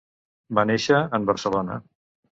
Va néixer en Barcelona.